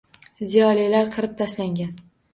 Ziyolilar qirib tashlangan.